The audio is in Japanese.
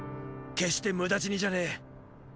決して無駄死にじゃねェ。